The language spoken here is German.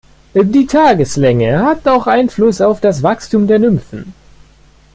Die Tageslänge hat auch Einfluss auf das Wachstum der Nymphen.